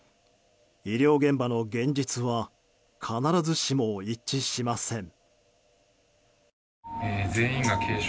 医療現場の現実は必ずしも一致しません。